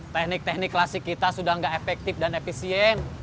teknik teknik klasik kita sudah tidak efektif dan efisien